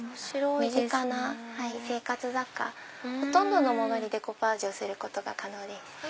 身近な生活雑貨のほとんどのものにデコパージュすることが可能です。